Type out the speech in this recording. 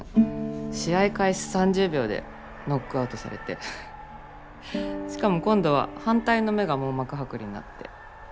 試合開始３０秒でノックアウトされてしかも今度は反対の目が網膜剥離になって。